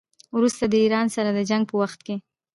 وروسته د ایران سره د جنګ په وخت کې.